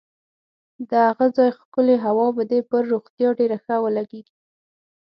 د هغه ځای ښکلې هوا به دې پر روغتیا ډېره ښه ولګېږي.